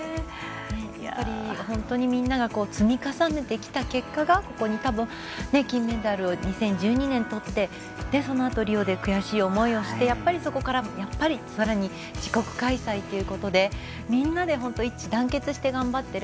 やっぱり本当にみんなが積み重ねてきた結果が金メダルを２０１２年にとってそのあと、リオで悔しい思いしてそこから自国開催ということでみんなで一致団結して頑張ってる。